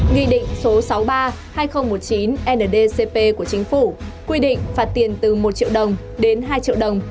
nghị định số sáu mươi ba hai nghìn một mươi chín ndcp của chính phủ quy định phạt tiền từ một triệu đồng đến hai triệu đồng